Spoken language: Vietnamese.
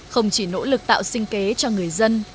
không chỉ nỗ lực tạo sinh kế cho người dân